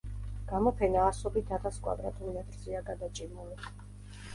გამოფენა ასობით ათას კვადრატულ მეტრზეა გადაჭიმული.